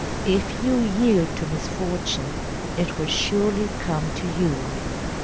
If you yield to misfortune it will surely come to you.